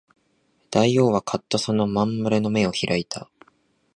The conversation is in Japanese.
大王はかっとその真ん丸の眼を開いた